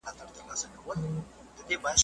نه ظالم به له مظلوم څخه بېلېږي `